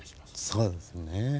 そうですね。